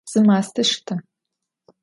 Zı maste şşte!